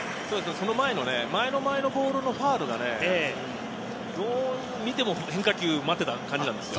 その前の前のボールのファウルが、どう見ても変化球を待っていた感じなんです。